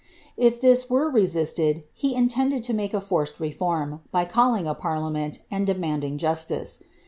If this were resisted, he intended to make a forced reform, by calling a parliament, and demanding justice.